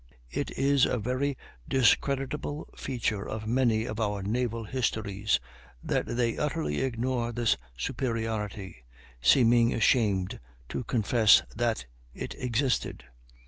It is a very discreditable feature of many of our naval histories that they utterly ignore this superiority, seeming ashamed to confess that it existed.